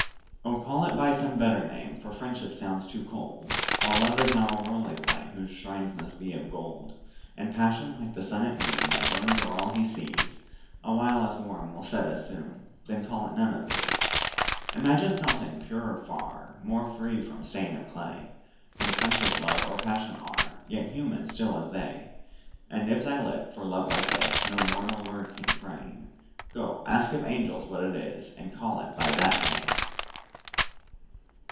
Oh, call it by some better name, For Friendship sounds too cold, While Love is now a worldly flame, Whose shrine must be of gold: And Passion, like the sun at noon, That burns o'er all he sees, Awhile as warm will set as soon Then call it none of these. Imagine something purer far, More free from stain of clay Than Friendship, Love, or Passion are, Yet human, still as they: And if thy lip, for love like this, No mortal word can frame, Go, ask of angels what it is, And call it by that name!